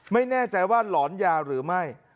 ไม่แน่ใจว่าหลอนยาหรือไม่